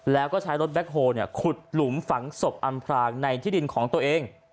แล้วก็ใช้รถแบ็คโฮลขุดหลุมฝังศพอำพรางในที่ดินของตัวเอง